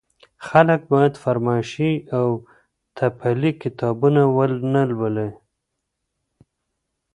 خلګ بايد فرمايشي او تپلي کتابونه ونه لولي.